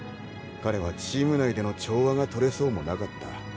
彼はチーム内での調和が取れそうもなかった。